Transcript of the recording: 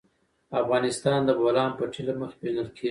افغانستان د د بولان پټي له مخې پېژندل کېږي.